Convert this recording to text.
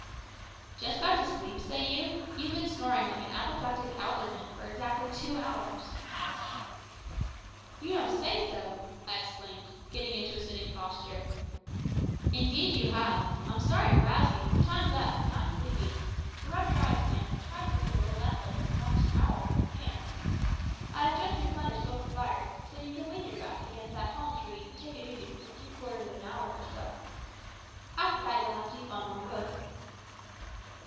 "Just got to sleep, say you? You've been snoring like an apoplectic alderman for exactly two hours." "You don't say so!" I exclaimed, getting into a sitting posture. "Indeed you have. I'm sorry to rouse you, but time's up, and I'm sleepy; so rub your eyes, man, and try to look a little less like an astonished owl if you can. I have just replenished both the fires, so you can lean your back against that palm tree and take it easy for three quarters of an hour or so. After that you'll have to heap on more wood."